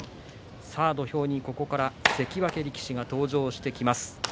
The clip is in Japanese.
ここから関脇力士が登場してきます。